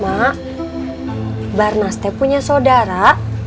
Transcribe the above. mak barnas teh punya saudara